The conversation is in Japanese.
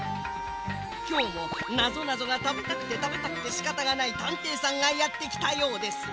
きょうもなぞなぞがたべたくてたべたくてしかたがないたんていさんがやってきたようです。